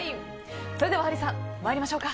それではハリーさん参りましょうか。